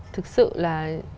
thực sự là